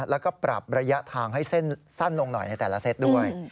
แล้วก็ปรับระยะทางให้เส้นสั้นลงหน่อยในแต่ละเซตด้วย